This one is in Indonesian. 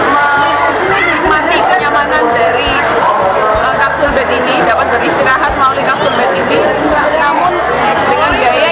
menikmati kenyamanan dari kapsul bed ini dapat beristirahat melalui kapsul bed ini